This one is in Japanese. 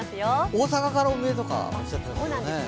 大阪からお見えとかもおっしゃっていましたね。